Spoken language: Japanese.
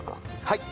はい。